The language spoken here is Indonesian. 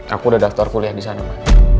aku udah daftar kuliah di sana pak